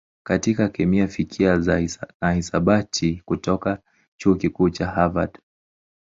katika kemia, fizikia na hisabati kutoka Chuo Kikuu cha Harvard.